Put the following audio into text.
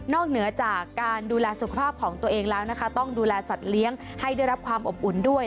เหนือจากการดูแลสุขภาพของตัวเองแล้วนะคะต้องดูแลสัตว์เลี้ยงให้ได้รับความอบอุ่นด้วย